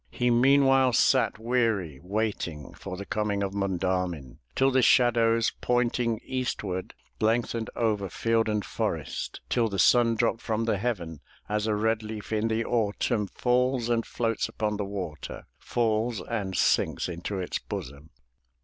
He meanwhile sat weary waiting For the coming of Monda'min, Till the shadows, pointing eastward. Lengthened over field and forest, Till the sun dropped from the heaven, As a red leaf in the Autumn Falls and floats upon the water. Falls and sinks into its bosom.